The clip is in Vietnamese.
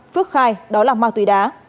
phước khai đó là ma túy đá